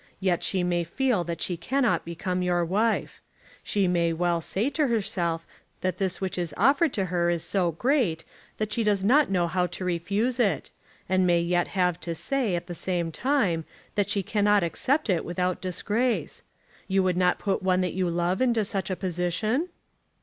Yet she may feel that she cannot become your wife. She may well say to herself that this which is offered to her is so great, that she does not know how to refuse it; and may yet have to say, at the same time, that she cannot accept it without disgrace. You would not put one that you love into such a position?"